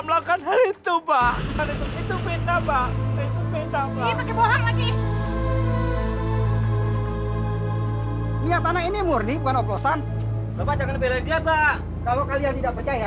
melakukan hal itu pak itu beda pak itu beda pak ini murni bukan oplosan kalau kalian tidak percaya